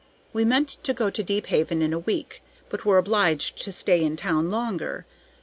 We meant to go to Deephaven in a week, but were obliged to stay in town longer.